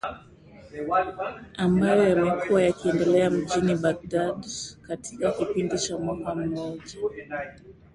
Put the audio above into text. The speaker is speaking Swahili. ambayo yamekuwa yakiendelea mjini Baghdad katika kipindi cha mwaka mmoja